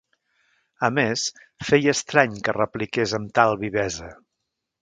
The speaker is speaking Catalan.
A més, feia estrany que repliqués amb tal vivesa.